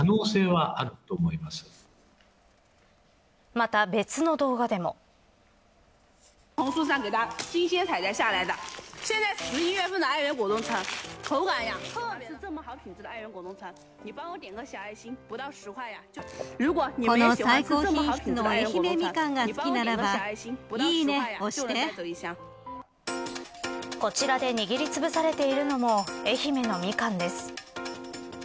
また別の動画でも。こちらで握りつぶされているのも愛媛のミカンです。